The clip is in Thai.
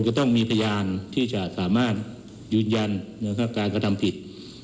ก็ต้องมีพยานที่จะสามารถยืนยันนะครับการกระทำผิด